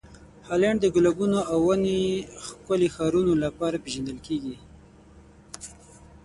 هالنډ د ګلابونو او ونې ښکلې ښارونو لپاره پېژندل کیږي.